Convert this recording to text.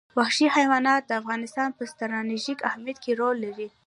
وحشي حیوانات د افغانستان په ستراتیژیک اهمیت کې رول لري.